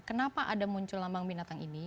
kenapa ada muncul lambang binatang ini